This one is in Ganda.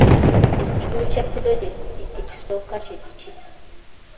Ekitundu kya pulojekiti ekisooka kye ki?